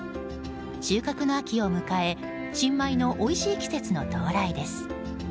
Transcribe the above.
収穫の秋を迎え新米のおいしい季節の到来です。